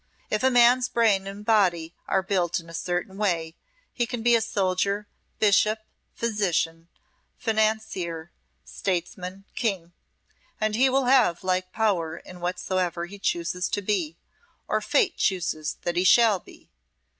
If a man's brain and body are built in a certain way he can be soldier, bishop, physician, financier, statesman, King; and he will have like power in whatsoever he chooses to be, or Fate chooses that he shall be.